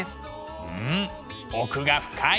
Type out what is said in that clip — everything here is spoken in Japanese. うん奥が深い！